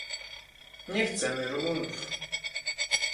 "Nie chcemy Rumunów!"